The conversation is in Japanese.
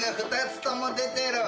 ２つとも出てる。